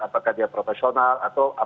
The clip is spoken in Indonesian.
apakah dia profesional